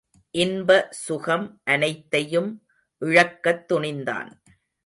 இன்ப சுகம் அனைத்தையும் இழக்கத் துணிந்தான்.